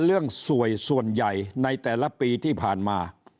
เรื่องสวยส่วนใหญ่ในแต่ละปีที่ผ่านมา